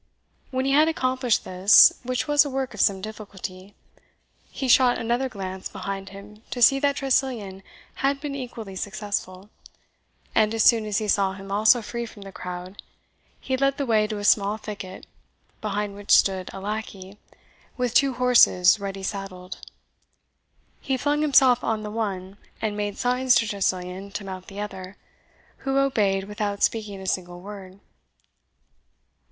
When he had accomplished this, which was a work of some difficulty, he shot another glance behind him to see that Tressilian had been equally successful; and as soon as he saw him also free from the crowd, he led the way to a small thicket, behind which stood a lackey, with two horses ready saddled. He flung himself on the one, and made signs to Tressilian to mount the other, who obeyed without speaking a single word.